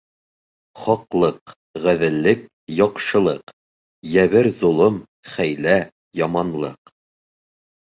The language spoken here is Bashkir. Хаҡлыҡ, ғәҙеллек, яҡшылыҡ; йәбер-золом, хәйлә, яманлыҡ